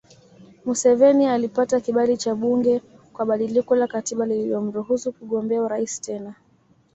Museveni alipata kibali cha bunge kwa badiliko la katiba lililomruhusu kugombea urais tena